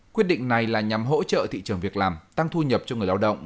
quyết định này là nhằm hỗ trợ thị trường việc làm tăng thu nhập cho người lao động